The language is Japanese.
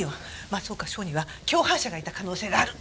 松岡志保には共犯者がいた可能性がある。